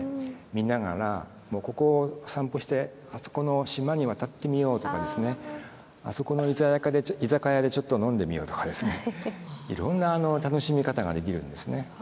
見ながらもうここを散歩してあそこの島に渡ってみようとかですねあそこの居酒屋でちょっと飲んでみようとかですねいろんな楽しみ方ができるんですね。